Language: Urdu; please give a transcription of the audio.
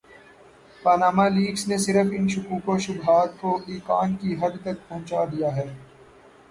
پانامہ لیکس نے صرف ان شکوک وشبہات کو ایقان کی حد تک پہنچا دیا ہے۔